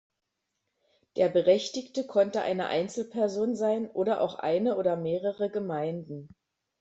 Der Berechtigte konnte eine Einzelperson sein oder auch eine oder mehrere Gemeinden.